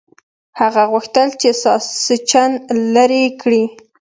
هغه غوښتل چې ساسچن لرې کړي.